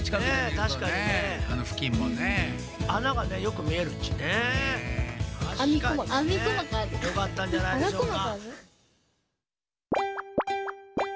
たしかにね。よかったんじゃないでしょうか。